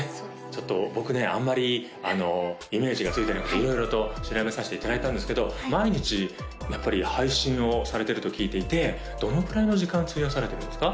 ちょっと僕ねあんまりイメージがついてなくて色々と調べさせていただいたんですけど毎日やっぱり配信をされてると聞いていてどのくらいの時間費やされてるんですか？